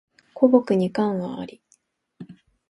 枯木に寒鴉あり